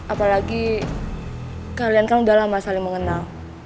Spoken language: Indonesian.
apalagi kalian kan udah lama saling mengenal